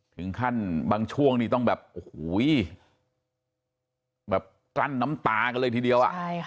ถึงขั้นบางช่วงต้องแบบกั้นน้ำตากันเลยทีเดียว